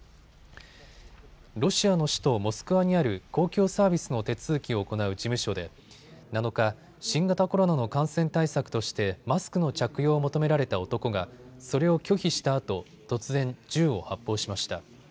ロシアの首都モスクワにある公共サービスの手続きを行う事務所で７日、新型コロナの感染対策としてマスクの着用を求められた男がそれを拒否したあと、突然、銃を発砲しました。